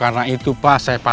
kamu lagi untuk aneh lemons ya